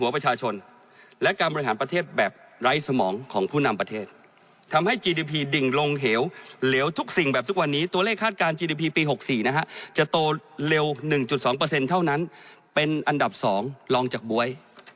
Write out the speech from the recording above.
ปี๖๔นะครับจะโตเร็ว๑๒เท่านั้นเป็นอันดับ๒รองจากบ๊วย